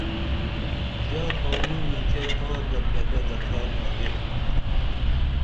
ژا تانوی اینچے تاں دب دبہ دڇھال آگیم